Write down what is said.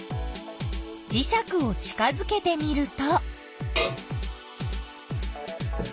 じしゃくを近づけてみると。